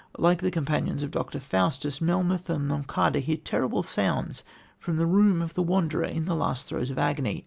Like the companions of Dr. Faustus, Melmoth and Monçada hear terrible sounds from the room of the Wanderer in the last throes of agony.